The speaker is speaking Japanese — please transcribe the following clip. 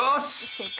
正解。